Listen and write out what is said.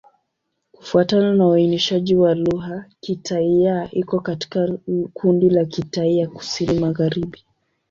Kufuatana na uainishaji wa lugha, Kitai-Ya iko katika kundi la Kitai ya Kusini-Magharibi.